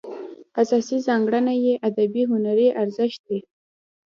اساسي ځانګړنه یې ادبي هنري ارزښت دی.